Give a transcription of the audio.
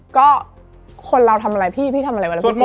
ก็คนเราทำอะไรพี่พี่ทำอะไร